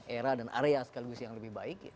era dan area sekaligus yang lebih baik